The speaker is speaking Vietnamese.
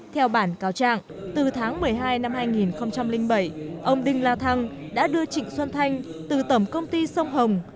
theo bản cáo trạng từ tháng một mươi hai năm hai nghìn bảy ông đinh la thăng đã đưa trịnh xuân thanh từ tổng công ty sông hồng